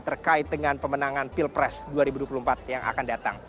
terkait dengan pemenangan pilpres dua ribu dua puluh empat yang akan datang